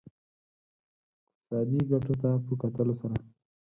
اقتصادي ګټو ته په کتلو سره.